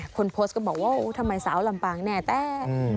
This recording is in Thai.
คนโพสต์ก็บอกว่าทำไมสาวลำปางแน่แต่